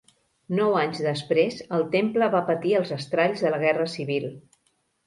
Nou anys després, el temple va patir els estralls de la Guerra Civil.